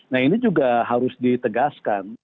nah ini juga harus ditegaskan